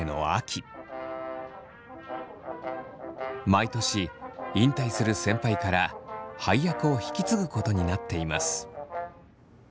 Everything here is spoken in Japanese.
毎年引退する先輩から配役を引き継ぐことになっています。